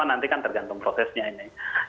nanti kan tergantung prosesnya ini